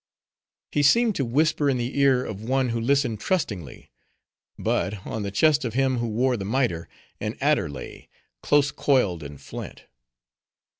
He seemed to whisper in the ear of one who listened trustingly. But on the chest of him who wore the miter, an adder lay, close coiled in flint.